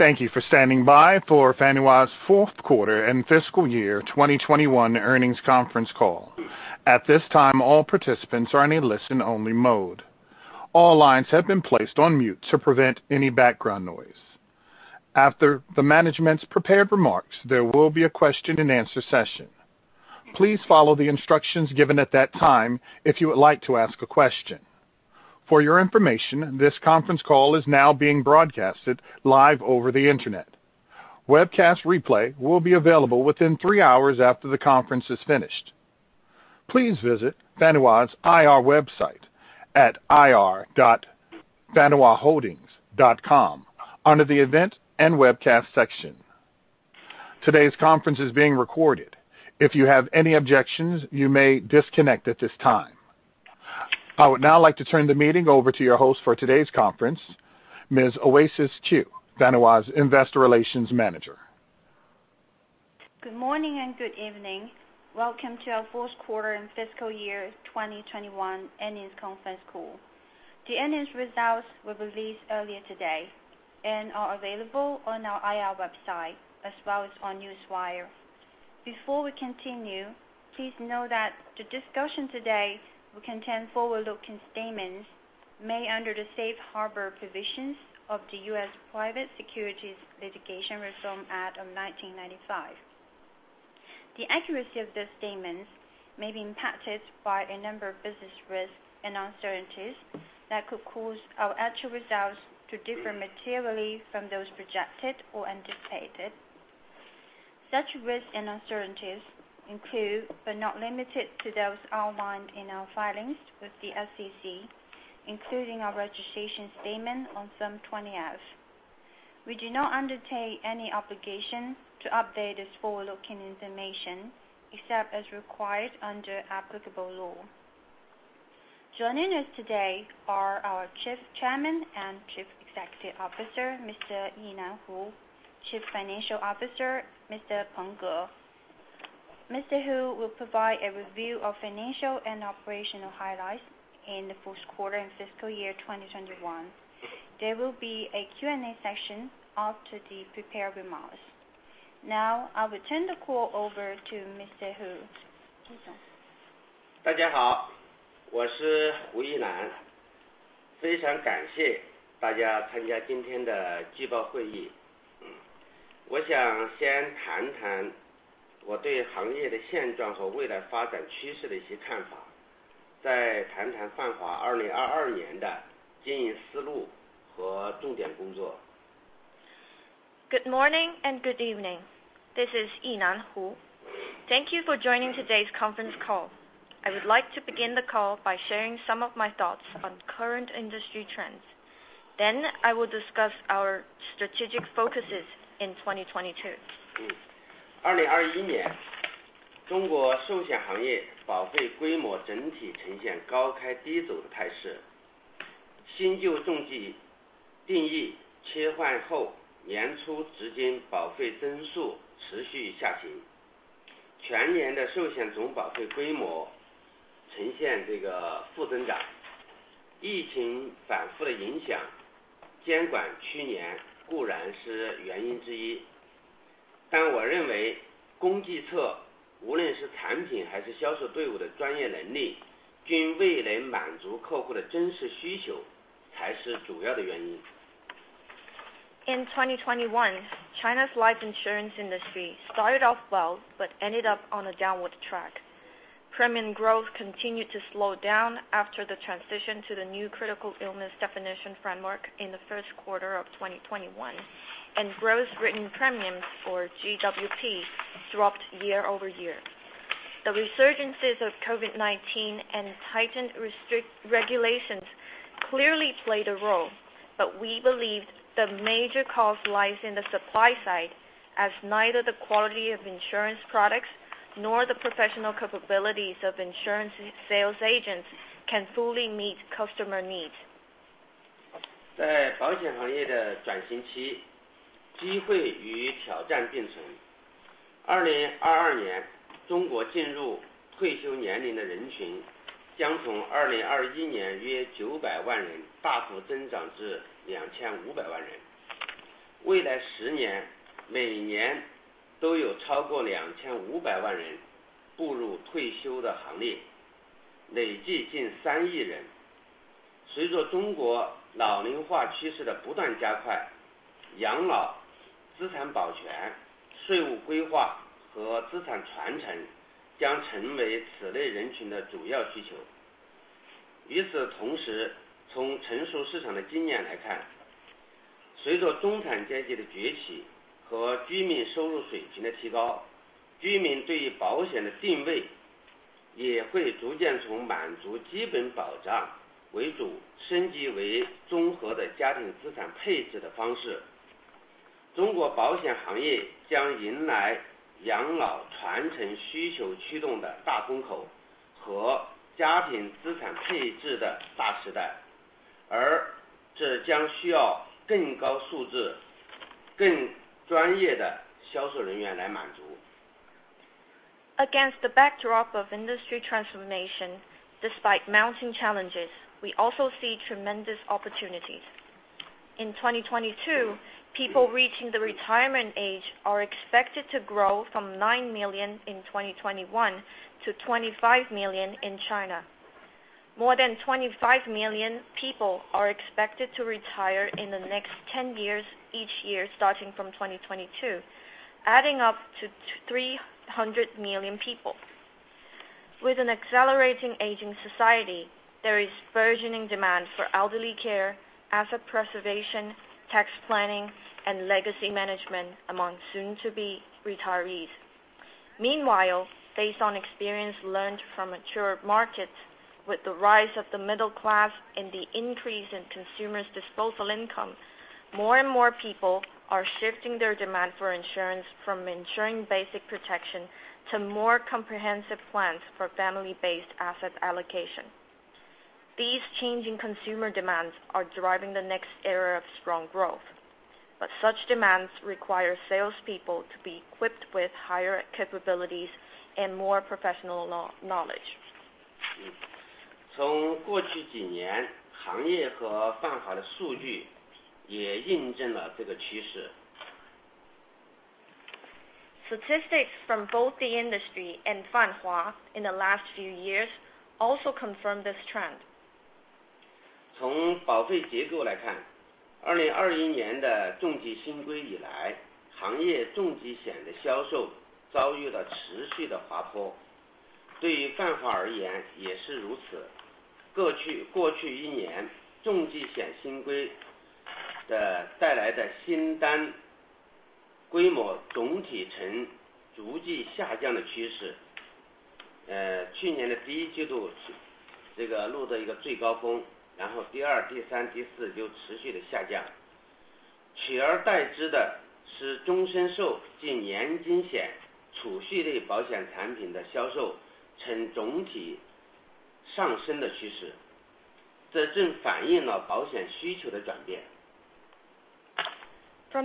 Thank you for standing by for Fanhua Fourth Quarter and Fiscal Year 2021 Earnings Conference Call. At this time, all participants are in a listen-only mode. All lines have been placed on mute to prevent any background noise. After the management's prepared remarks, there will be a question-and-answer session. Please follow the instructions given at that time if you would like to ask a question. For your information, this conference call is now being broadcast live over the internet. Webcast replay will be available within three hours after the conference is finished. Please visit Fanhua's IR website at ir.fanhuaholdings.com under the Event and Webcast section. Today's conference is being recorded. If you have any objections, you may disconnect at this time. I would now like to turn the meeting over to your host for today's conference, Ms. Oasis Qiu, Fanhua's Investor Relations Manager. Good morning and good evening. Welcome to our Fourth Quarter and Fiscal Year 2021 Earnings Conference Call. The earnings results were released earlier today and are available on our IR website as well as on Newswire. Before we continue, please know that the discussion today will contain forward-looking statements made under the safe harbor provisions of the US Private Securities Litigation Reform Act of 1995. The accuracy of the statements may be impacted by a number of business risks and uncertainties that could cause our actual results to differ materially from those projected or anticipated. Such risks and uncertainties include, but not limited to, those outlined in our filings with the SEC, including our registration statement on Form 20-F. We do not undertake any obligation to update this forward-looking information except as required under applicable law. Joining us today are our Chairman and Chief Executive Officer, Mr. Yinan Hu, Chairman and Chief Executive Officer, Mr. Peng Ge, Chief Financial Officer. Mr. Hu will provide a review of financial and operational highlights in the fourth quarter and fiscal year 2021. There will be a Q&A session after the prepared remarks. Now I will turn the call over to Mr. Hu. 大家好，我是胡翼楠。非常感谢大家参加今天的汇报会议。我想先谈谈我对行业的现状和未来发展趋势的一些看法，再谈谈泛华2022年的经营思路和重点工作。Good morning and good evening. This is Yinan Hu. Thank you for joining today's conference call. I would like to begin the call by sharing some of my thoughts on current industry trends. I will discuss our strategic focuses in 2022. In 2021, China's life insurance industry started off well but ended up on a downward track. Premium growth continued to slow down after the transition to the new Critical Illness definition framework in the first quarter of 2021 and gross written premiums, or GWP, dropped year-over-year. The resurgences of COVID-19 and tightened restrictions and regulations clearly played a role, but we believed the major cause lies in the supply side, as neither the quality of insurance products nor the professional capabilities of insurance sales agents can fully meet customer needs. Against the backdrop of industry transformation, despite mounting challenges, we also see tremendous opportunities. In 2022, people reaching the retirement age are expected to grow from 9 million in 2021 to 25 million in China. More than 25 million people are expected to retire in the next 10 years each year starting from 2022, adding up to 300 million people. With an accelerating aging society, there is burgeoning demand for elderly care, asset preservation, tax planning and legacy management among soon to be retirees. Meanwhile, based on experience learned from mature markets with the rise of the middle class and the increase in consumers disposal income, more and more people are shifting their demand for insurance from ensuring basic protection to more comprehensive plans for family-based asset allocation. These changing consumer demands are driving the next era of strong growth, but such demands require salespeople to be equipped with higher capabilities and more professional knowledge. 从过去几年行业和泛华的数据也印证了这个趋势。Statistics from both the industry and Fanhua in the last few years also confirm this trend. From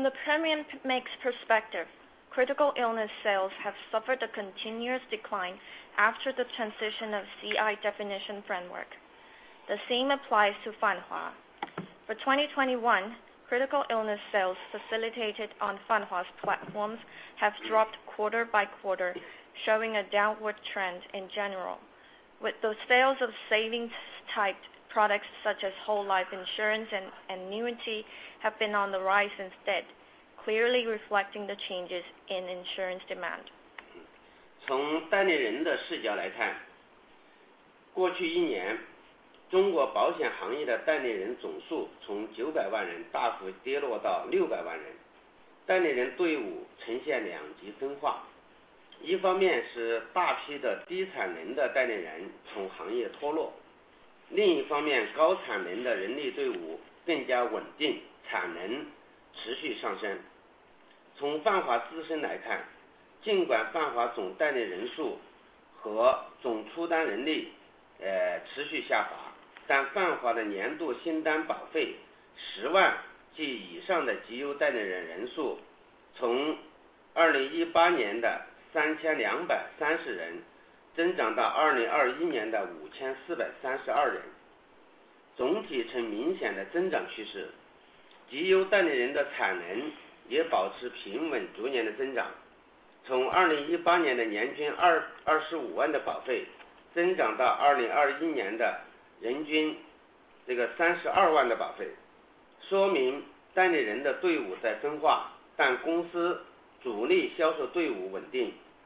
the premium mix perspective, critical illness sales have suffered a continuous decline after the transition of CI definition framework. The same applies to Fanhua. For 2021, critical illness sales facilitated on Fanhua's platforms have dropped quarter by quarter, showing a downward trend in general, while those sales of savings-type products such as whole life insurance and annuity have been on the rise instead, clearly reflecting the changes in insurance demand.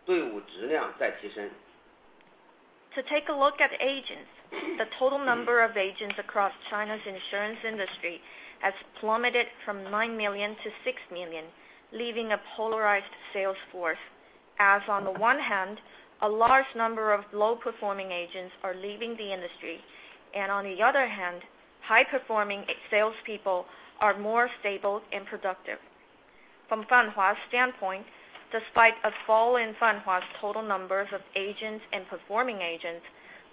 To take a look at agents. The total number of agents across China's insurance industry has plummeted from 9 to 6 million, leaving a polarized sales force. As on the one hand, a large number of low-performing agents are leaving the industry, and on the other hand, high performing salespeople are more stable and productive. From Fanhua's standpoint, despite a fall in Fanhua's total numbers of agents and performing agents,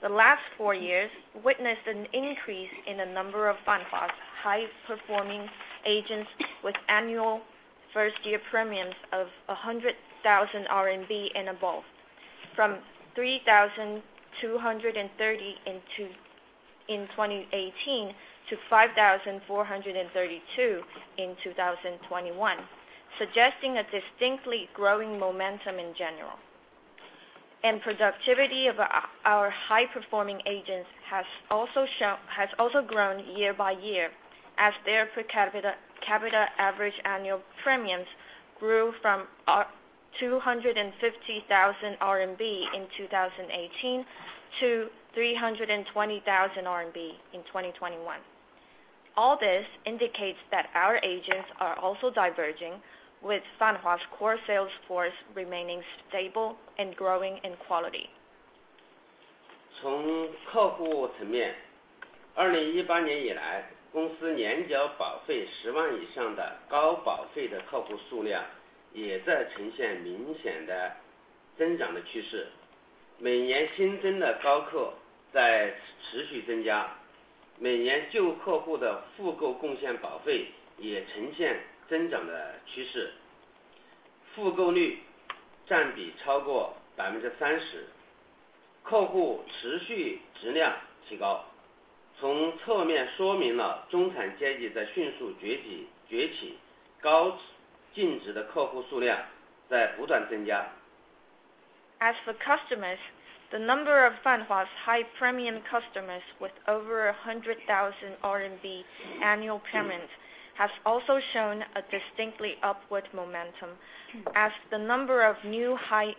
the last four years witnessed an increase in the number of Fanhua's high-performing agents, with annual first year premiums of 100,000 RMB and above. From 3,232 in 2018 to 5,432 in 2021, suggesting a distinctly growing momentum in general. Productivity of our high-performing agents has also grown year by year as their per capita average annual premiums grew from 250,000 RMB in 2018 to 320,000 RMB in 2021. All this indicates that our agents are also diversifying, with Fanhua's core sales force remaining stable and growing in quality. 从客户层面，2018年以来，公司年交保费十万以上的高保费的客户数量也在呈现明显的增长的趋势，每年新增的高客在持续增加。每年旧客户的复购贡献保费也呈现增长的趋势，复购率占比超过30%。客户持续质量提高，从侧面说明了中产阶级在迅速崛起，崛起高净值的客户数量在不断增加。As for customers, the number of Fanhua high premium customers with over 100,000 RMB annual payments has also shown a distinctly upward momentum as the number of new high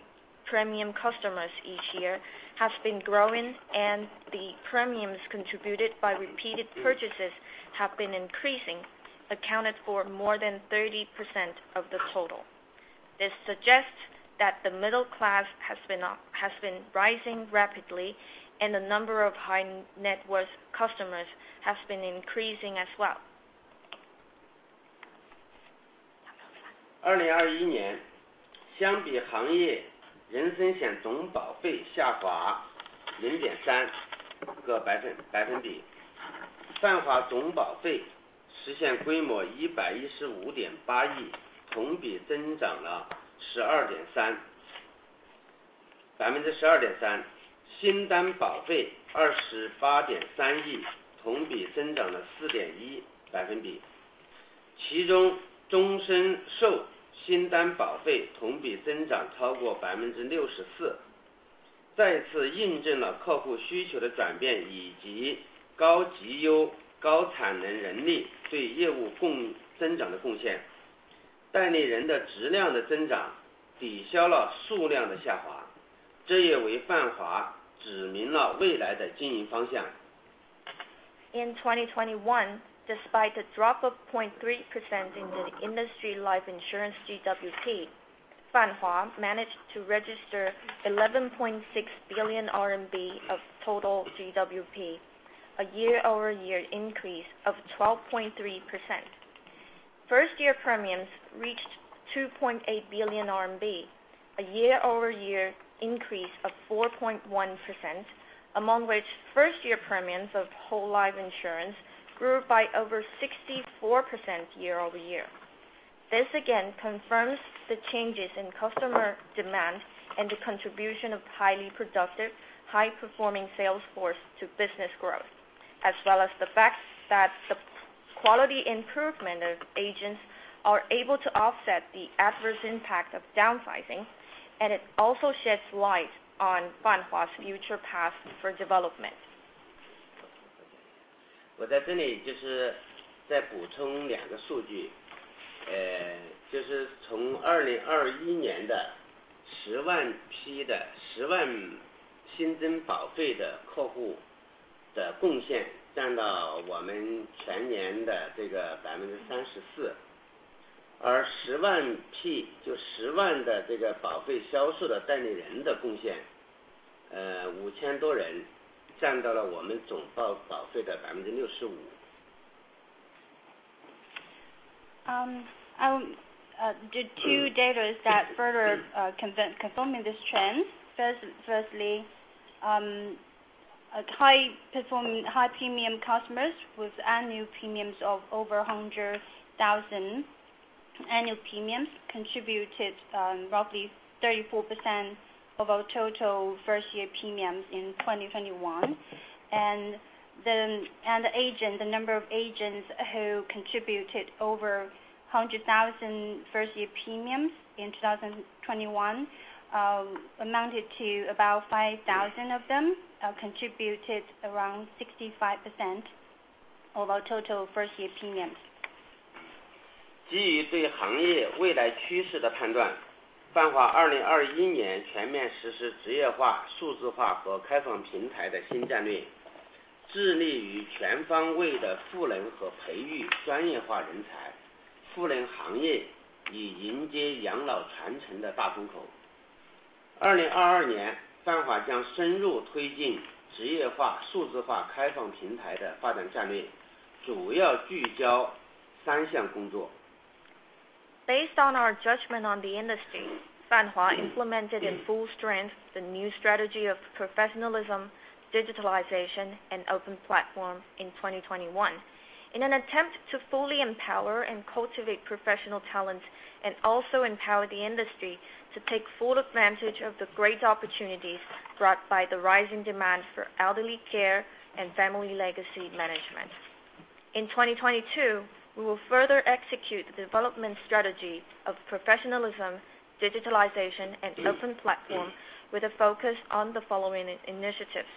premium customers each year has been growing and the premiums contributed by repeated purchases have been increasing accounted for more than 30% of the total. This suggests that the middle class has been rising rapidly and the number of high net worth customers has been increasing as well. In 2021, despite a drop of 0.3% in the industry life insurance GWP, Fanhua managed to register 11.6 billion RMB of total GWP, a year-over-year increase of 12.3%. First year premiums reached 2.8 billion RMB, a year-over-year increase of 4.1%, among which first year premiums of whole life insurance grew by over 64% year-over-year. This again confirms the changes in customer demand and the contribution of highly productive, high performing sales force to business growth, as well as the fact that the quality improvement of agents are able to offset the adverse impact of downsizing, and it also sheds light on Fanhua's future path for development. The two data that further confirm this trend. First, a high performing high premium customers with annual premiums of over 100,000 annual premiums contributed roughly 34% of our total first year premiums in 2021. The number of agents who contributed over 100,000 first year premiums in 2021 amounted to about 5,000 of them contributed around 65% of our total first year premiums. Based on our judgment on the industry, Fanhua implemented in full strength the new strategy of Professionalism, Digitalization, and Open Platform in 2021 in an attempt to fully empower and cultivate professional talent and also empower the industry to take full advantage of the great opportunities brought by the rising demand for elderly care and family legacy management. In 2022, we will further execute the development strategy of Professionalism, Digitalization, and Open Platform with a focus on the following initiatives.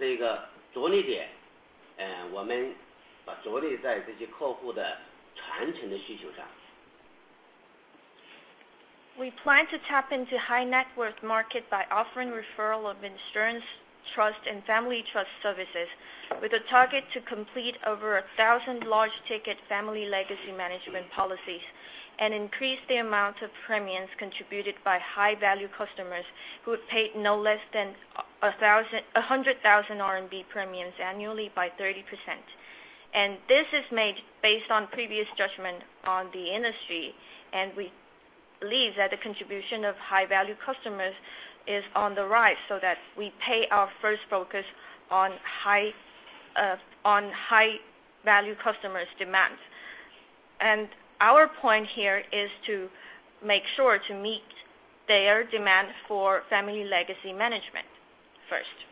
We plan to tap into high net worth market by offering referral of insurance, trust and family trust services with a target to complete over 1,000 large ticket family legacy management policies and increase the amount of premiums contributed by high value customers who would pay no less than 100,000 RMB premiums annually by 30%. This is made based on previous judgment on the industry, and we believe that the contribution of high value customers is on the rise so that we pay our first focus on high value customers demands. Our point here is to make sure to meet their demand for family legacy management first.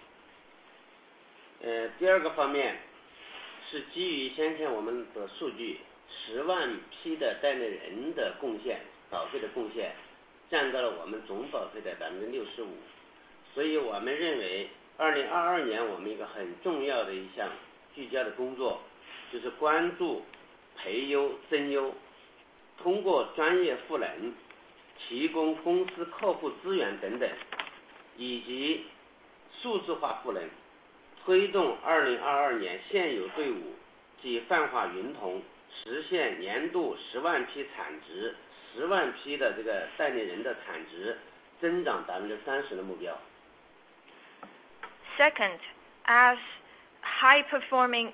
第二个方面是基于我们的数据，十万批的代理人的贡献，保费的贡献占到了我们总保费的65%。所以我们认为2022年我们一个很重要的一项聚焦的工作，就是关注、培优、增优。通过专业赋能，提供公司客户资源等等，以及数字化赋能，推动2022年现有队伍及泛华云同实现年度十万批产值，十万批的这个代理人的产值增长30%的目标。Second, high-performing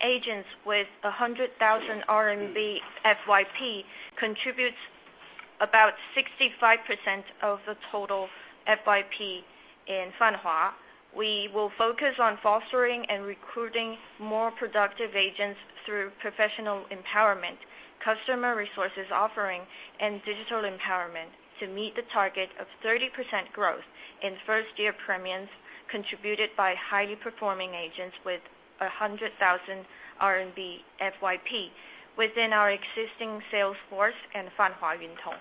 agents with 100,000 RMB FYP contribute about 65% of the total FYP in Fanhua. We will focus on fostering and recruiting more productive agents through professional empowerment, customer resources offering and digital empowerment to meet the target of 30% growth in first year premiums contributed by high-performing agents with 100,000 RMB FYP within our existing sales force and Fanhua Yuntong.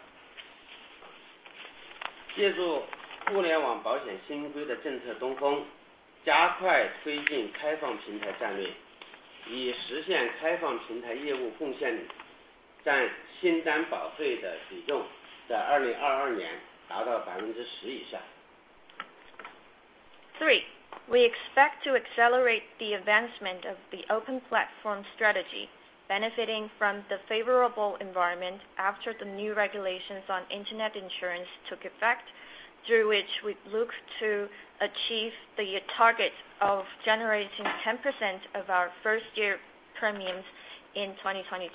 借助互联网保险新规的政策东风，加快推进开放平台战略，以实现开放平台业务贡献率占新单保费的几众，在2022年达到10%以上。Three, we expect to accelerate the advancement of the Open Platform strategy benefiting from the favorable environment after the Internet Insurance New Regulations took effect through which we look to achieve the targets of generating 10% of our first year premiums in 2022.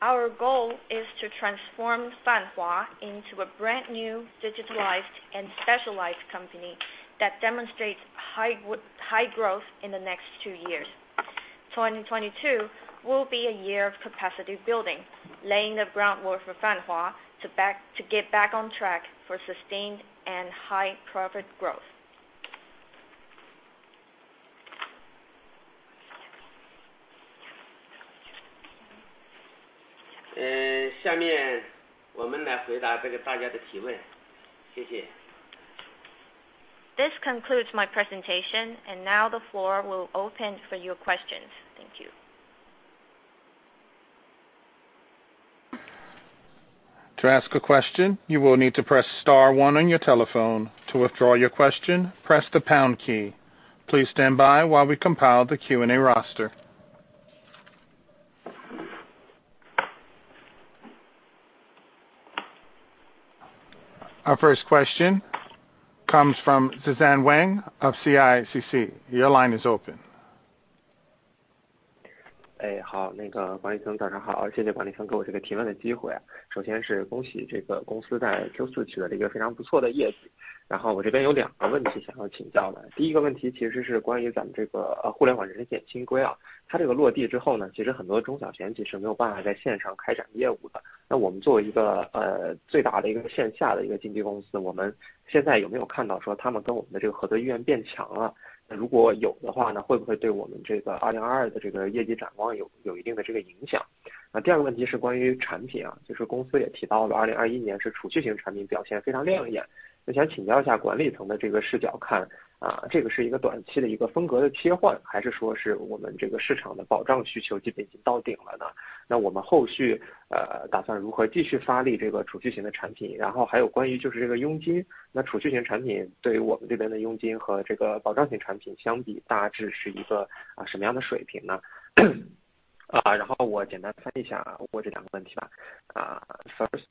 Our goal is to transform 泛华 into a brand new, digitalized and specialized company that demonstrates high growth in the next two years. 2022 will be a year of capacity building, laying the groundwork for 泛华 to get back on track for sustained and high profit growth. 下面我们来回答大家的提问。谢谢。This concludes my presentation, and now the floor will open for your questions. Thank you. Our first question comes from Suzanne Wang of CICC. Your line is open. Uh, first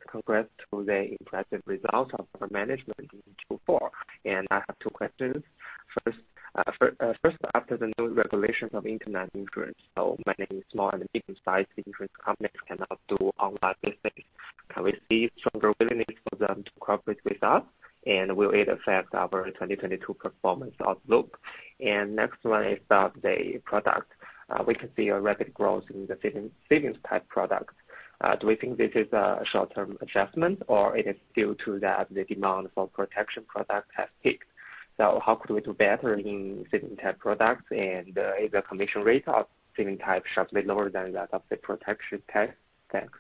congrats to the impressive results of management in fourth quarter. I have two questions. First, after the new regulations of Internet insurance, so many small and medium-sized insurance companies cannot do online business. Can we see stronger willingness for them to cooperate with us? Will it affect our 2022 performance outlook? Next one is about the product. We can see a rapid growth in the savings-type product. Do we think this a short-term adjustment or it is due to that the demand for protection product has peaked? How could we do better in savings-type products? Is the commission rate of savings-type sharply lower than that of the protection type? Thanks.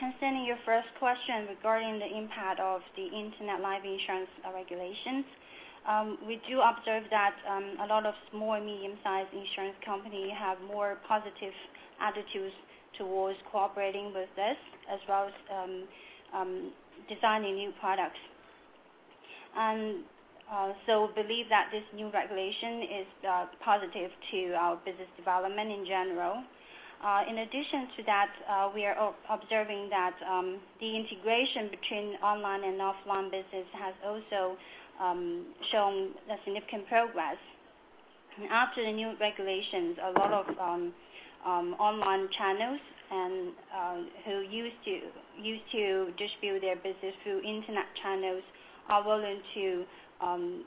Concerning your first question regarding the impact of the internet life insurance regulations. We do observe that a lot of small and medium-sized insurance company have more positive attitudes towards cooperating with us, as well as designing new products. We believe that this new regulation is positive to our business development in general. In addition to that, we are observing that the integration between online and offline business has also shown a significant progress. After the new regulations, a lot of online channels and who used to distribute their business through internet channels are willing to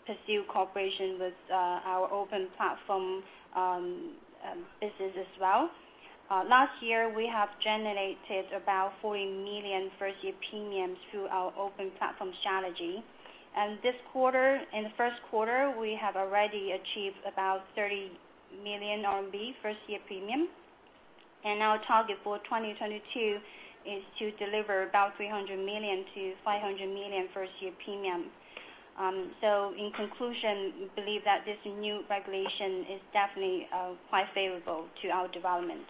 pursue cooperation with our Open Platform business as well. Last year, we have generated about 40 million first-year premiums through our Open Platform strategy. This quarter, in the first quarter, we have already achieved about 30 million RMB first year premium. Our target for 2022 is to deliver about 300 to 500 million first year premium. In conclusion, we believe that this new regulation is definitely quite favorable to our development.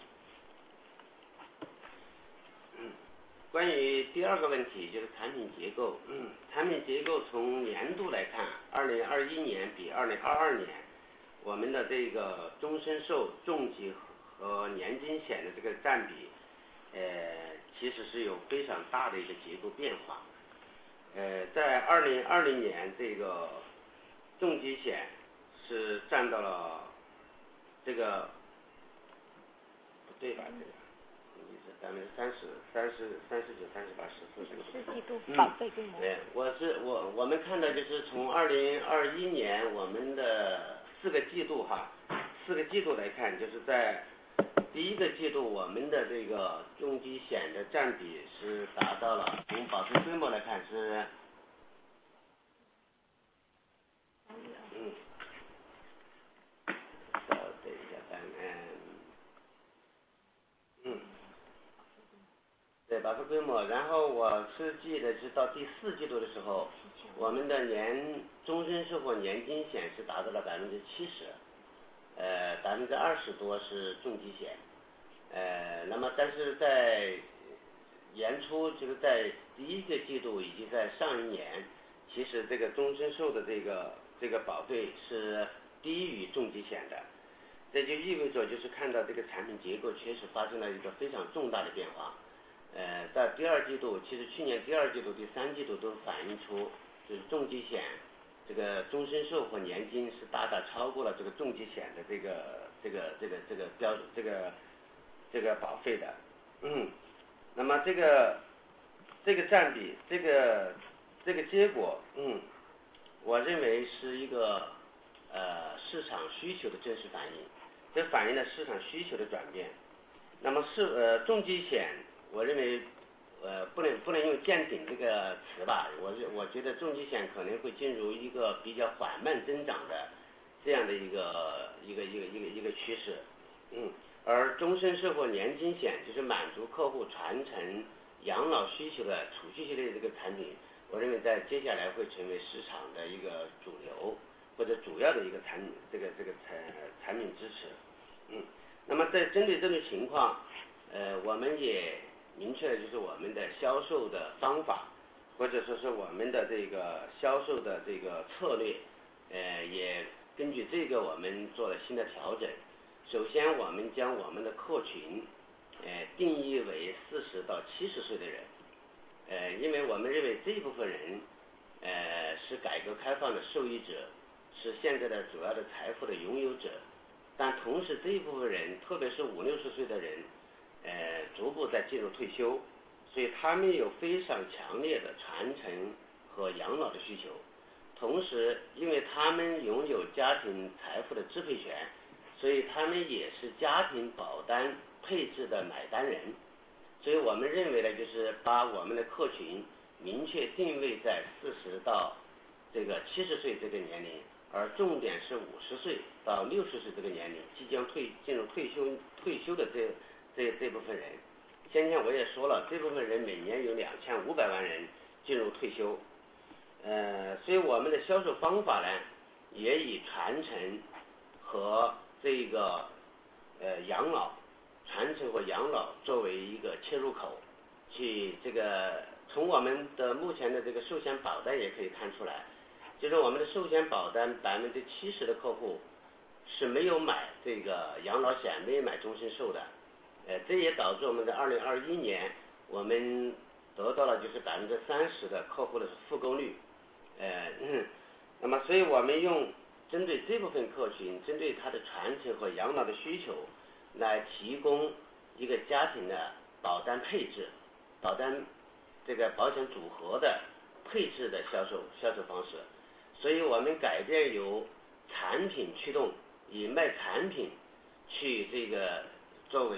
For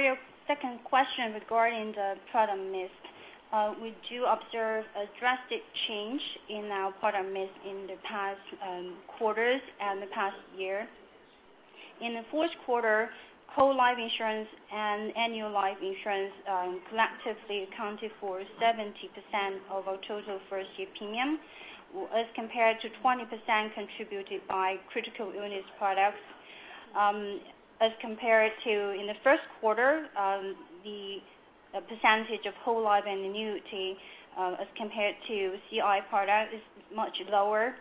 your second question regarding the product mix, we do observe a drastic change in our product mix in the past quarters and the past year. In the fourth quarter, whole life insurance and annuity life insurance collectively accounted for 70% of our total first year premium as compared to 20% contributed by critical illness products, as compared to in the first quarter, the percentage of whole life and annuity as compared to CI product is much lower.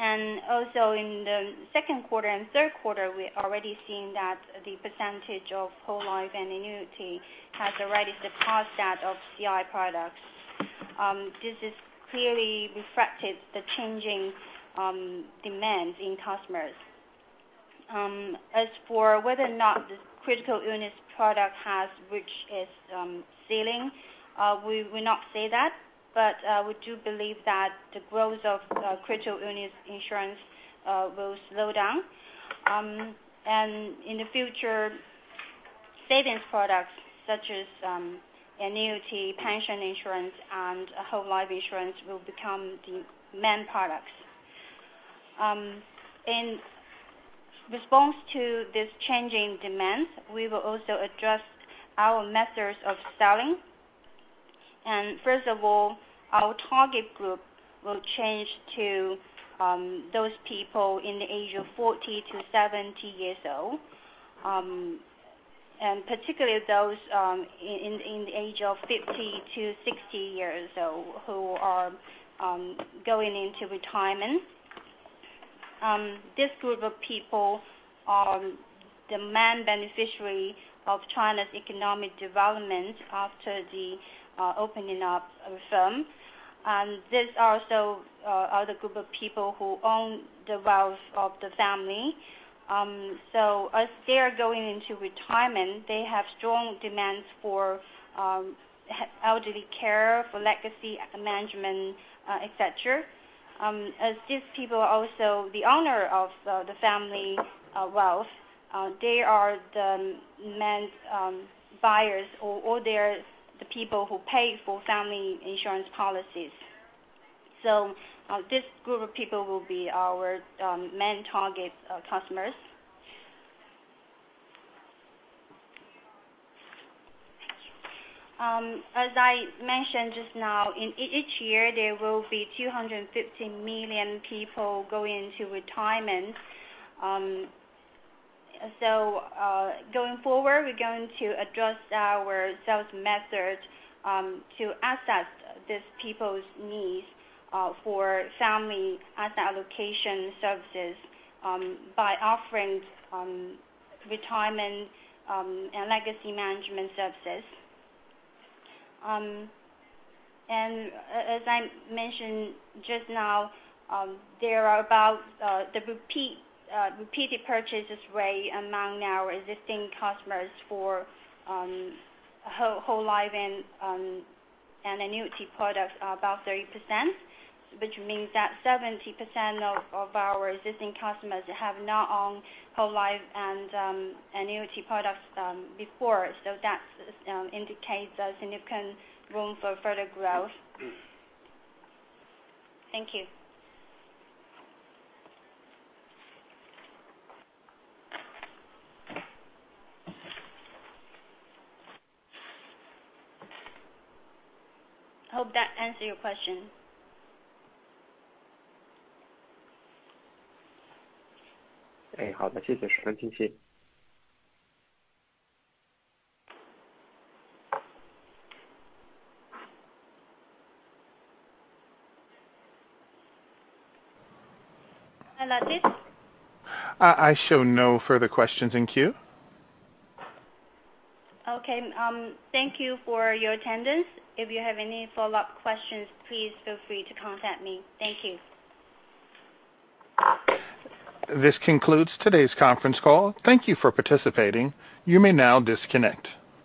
In the second quarter and third quarter, we already seen that the percentage of whole life and annuity has already surpassed that of CI products. This is clearly reflected the changing demands in customers. As for whether or not this critical illness product has reached its ceiling, we will not say that, but we do believe that the growth of the critical illness insurance will slow down. In the future, savings products such as annuity, pension insurance and whole life insurance will become the main products. In response to this changing demands, we will also address our methods of selling. First of all, our target group will change to those people in the age of 40 to 70 years old, and particularly those in the age of 50 to 60 years old, who are going into retirement. This group of people are the main beneficiary of China's economic development after the opening up of reform. These also are the group of people who own the wealth of the family. So as they are going into retirement, they have strong demands for elderly care, for legacy management, etc. As these people are also the owner of the family wealth, they are the main buyers, or they are the people who pay for family insurance policies. So this group of people will be our main target customers. Thank you. As I mentioned just now, in each year, there will be 250 million people going into retirement. Going forward, we're going to address our sales methods to assess these people's needs for family asset allocation services by offering retirement and legacy management services. As I mentioned just now, there are about the repeated purchases rate among our existing customers for whole life and annuity products are about 30%, which means that 70% of our existing customers have not owned whole life and annuity products before. That's indicates a significant room for further growth. Thank you. Hope that answer your question. 好的，谢谢。谢谢。 [inaudible] I show no further questions in queue. Okay, thank you for your attendance. If you have any follow-up questions, please feel free to contact me. Thank you. This concludes today's conference call. Thank you for participating. You may now disconnect.